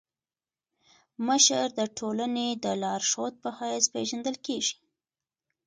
مشر د ټولني د لارښود په حيث پيژندل کيږي.